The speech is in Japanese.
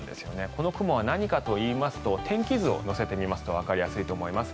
この雲は何かといいますと天気図を乗せてみますとわかりやすいと思います。